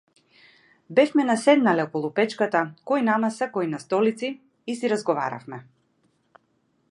Бевме наседнале околу печката кој на маса кој на столици и си разговаравме.